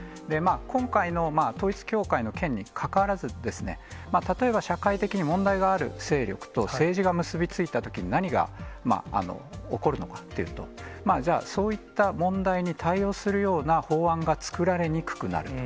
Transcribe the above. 今回の統一教会の件にかかわらずですね、例えば社会的に問題がある勢力と政治が結び付いたときに何が起こるのかっていうと、じゃあ、そういった問題に対応するような法案が作られにくくなると。